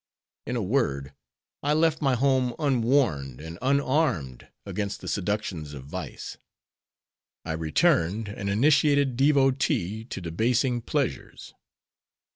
In a word, I left my home unwarned and unarmed against the seductions of vice. I returned an initiated devotee to debasing pleasures.